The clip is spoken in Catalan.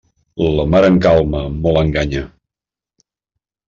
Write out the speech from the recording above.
La mar en calma molt enganya.